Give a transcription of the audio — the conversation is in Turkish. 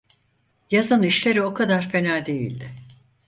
Yazın işleri o kadar fena değildi.